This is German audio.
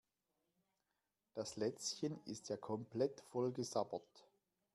Das Lätzchen ist ja komplett vollgesabbert.